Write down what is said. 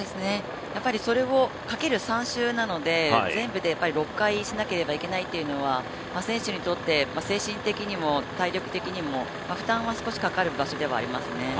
それをかける３周なので全部で６回しなければいけないというのは選手にとって精神的にも、体力的にも負担は少しかかる場所ではありますね。